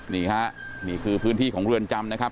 นี่ฮะนี่คือพื้นที่ของเรือนจำนะครับ